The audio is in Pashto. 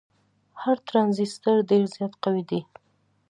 هر ټرانزیسټر ډیر زیات قوي دی.